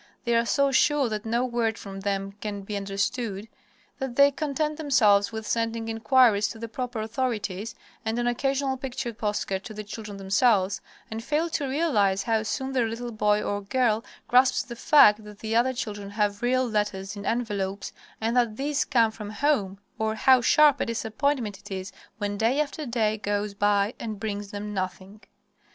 They are so sure that no word from them can be understood that they content themselves with sending inquiries to the proper authorities, and an occasional picture postcard to the children themselves, and fail to realize how soon their little boy or girl grasps the fact that the other children have real letters in envelopes, and that these come from home, or how sharp a disappointment it is when day after day goes by and brings them nothing.